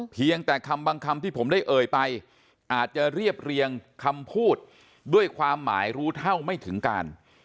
เพียงแต่คำบางคำที่ผมได้เอ่ยไปอาจจะเรียบเรียงคำพูดด้วยความหมายรู้เท่าไม่ถึงการ